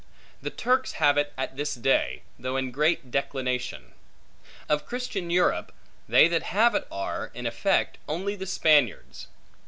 The Turks have it at this day, though in great declination. Of Christian Europe, they that have it are, in effect, only the Spaniards.